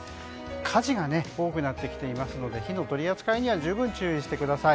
火事が多くなってきていますので火の取り扱いには十分注意してください。